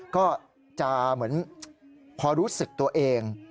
ก็จะเหมือนพอรู้สึกตัวเอง